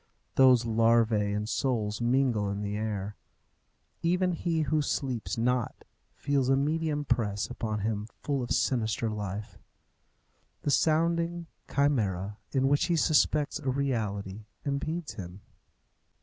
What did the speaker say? Those larvæ and souls mingle in the air. Even he who sleeps not feels a medium press upon him full of sinister life. The surrounding chimera, in which he suspects a reality, impedes him.